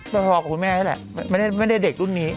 ก็พอกับคุณแม่นี่แหละไม่ได้เด็กรุ่นนี้